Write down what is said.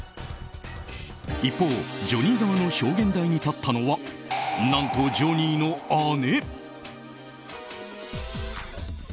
一方、ジョニー側の証言台に立ったのは何と、ジョニーの姉。